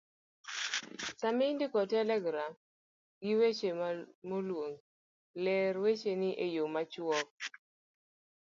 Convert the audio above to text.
Sama indiko telegram, ng'i weche maluwogi:ler wecheni e yo machuok